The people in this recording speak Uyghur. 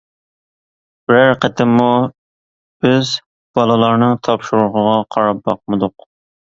بىرەر قېتىممۇ بىز بالىلارنىڭ تاپشۇرۇقىغا قاراپ باقمىدۇق.